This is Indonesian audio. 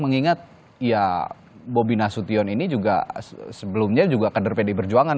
mengingat ya bobi nasution ini juga sebelumnya juga kader pdi perjuangan